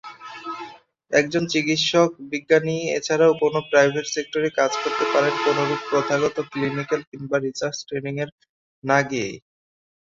একজন চিকিৎসক-বিজ্ঞানী এছাড়াও কোন প্রাইভেট সেক্টরে কাজ করতে পারেন কোনরূপ প্রথাগত ক্লিনিক্যাল কিংবা রিসার্চ ট্রেনিং এ না গিয়েই।